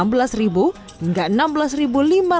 sementara untuk harga jual minyak curah di pedagang pasar